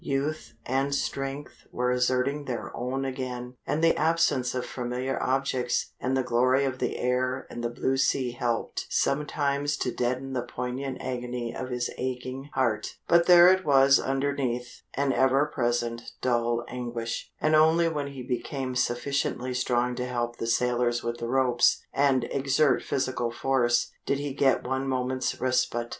Youth and strength were asserting their own again, and the absence of familiar objects, and the glory of the air and the blue sea helped sometimes to deaden the poignant agony of his aching heart. But there it was underneath, an ever present, dull anguish. And only when he became sufficiently strong to help the sailors with the ropes, and exert physical force, did he get one moment's respite.